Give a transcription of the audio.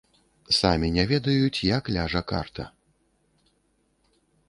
Самі не ведаюць, як ляжа карта.